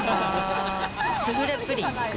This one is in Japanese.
スフレ・プリン。